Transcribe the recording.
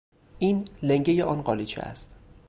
این لنگهی آن قالیچه است.